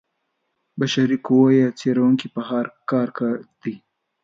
بشري قوه یا څېړونکي په کار دي.